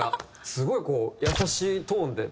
すごいこう優しいトーンで。